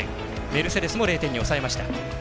メルセデスも０点に抑えました。